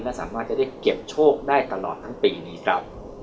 และสามารถจะได้เก็บโชคได้ตลอดทั้งปีนี้ครับ